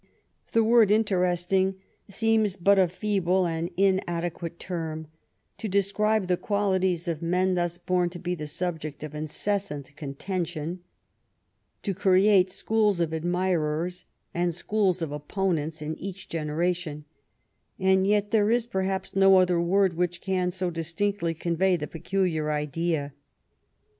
The word interesting seems but a feeble and inade quate term to describe the qualities of men thus born to be the subject of incessant contention, to create schools of admirers, and schools of opponents in each generation, and yet there is, perhaps, no other word which can so distinctly convey the peculiar idea.